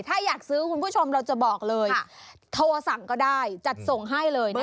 ถ้าอยากซื้อคุณผู้ชมเราจะบอกเลยโทรสั่งก็ได้จัดส่งให้เลยนะคะ